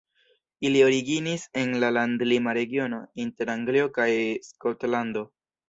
Ili originis en la landlima regiono inter Anglio kaj Skotlando.